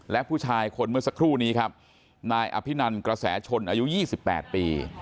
และผู้ชายคนเมื่อสักครู่นี้ครับนายอภินันกระแสชนอายุ๒๘ปี